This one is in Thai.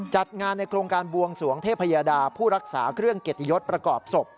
จัดงานในโครงการบวงสวงเทพยดาผู้รักษาเครื่องเกียรติยศประกอบศพ